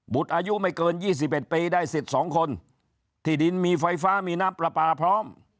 อายุไม่เกิน๒๑ปีได้สิทธิ์๒คนที่ดินมีไฟฟ้ามีน้ำปลาปลาพร้อม